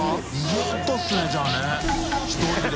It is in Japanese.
ずっとですねじゃあね１人で。